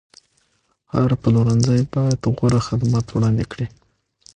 هر پلورنځی باید غوره خدمات وړاندې کړي.